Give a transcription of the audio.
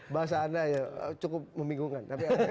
bahasa anda cukup membingungkan